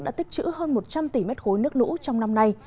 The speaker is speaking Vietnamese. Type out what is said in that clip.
đã tích chữ hơn một trăm linh tỷ m ba nước lũ trong năm nay